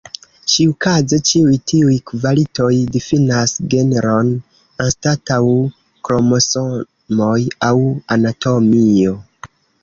Ĉiukaze, ĉiuj tiuj kvalitoj difinas genron anstataŭ kromosomoj aŭ anatomio.